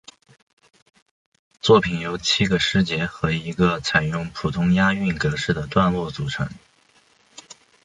作品由七个诗节和一个采用普通押韵格式的段落组成。